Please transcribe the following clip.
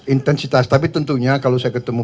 intensitas tapi tentunya kalau saya ketemu